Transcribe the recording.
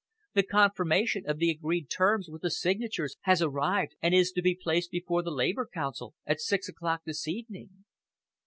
The confirmation of the agreed terms, with the signatures, has arrived, and is to be placed before the Labour Council at six o'clock this evening."